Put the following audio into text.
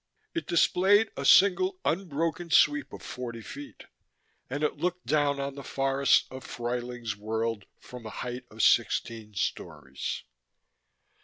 It displayed a single unbroken sweep of forty feet, and it looked down on the forests of Fruyling's World from a height of sixteen stories.